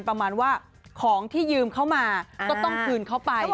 ประมาณว่าของที่ยืมเขามาก็ต้องคืนเขาไป